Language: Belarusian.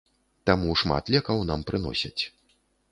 Таму шмат лекаў нам прыносяць.